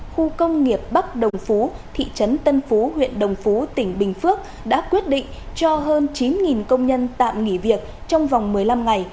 khu công nghiệp bắc đồng phú thị trấn tân phú huyện đồng phú tỉnh bình phước đã quyết định cho hơn chín công nhân tạm nghỉ việc trong vòng một mươi năm ngày